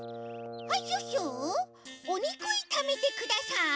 はいシュッシュおにくいためてください。